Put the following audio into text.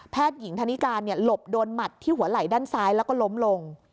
หญิงธนิการหลบโดนหมัดที่หัวไหล่ด้านซ้ายแล้วก็ล้มลง